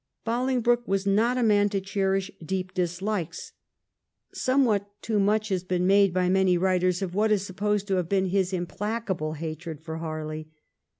Bolingbroke was not a man to cherish deep dislikes. Somewhat too much has been made by 76 THE EEIGN OF QUEEN ANNE. ch. xxiv. many writers of what is supposed to have been his implacable hatred for Harley.